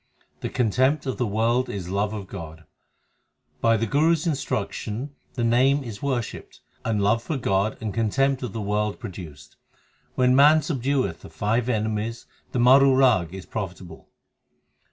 The contempt of the world is love of God : By the Guru s instruction the Name is worshipped and love for God and contempt of the world produced. When man subdueth the five enemies the Maru Rag 3 is profitable.